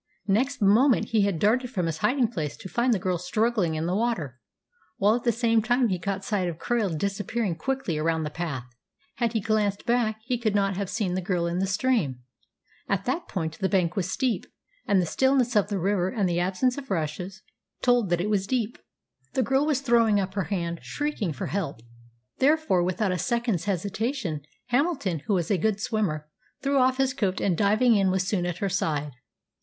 Next moment, he had darted from his hiding place to find the girl struggling in the water, while at the same time he caught sight of Krail disappearing quickly around the path. Had he glanced back he could not have seen the girl in the stream. At that point the bank was steep, and the stillness of the river and absence of rushes told that it was deep. The girl was throwing up her hand, shrieking for help; therefore, without a second's hesitation, Hamilton, who was a good swimmer, threw off his coat, and, diving in, was soon at her side.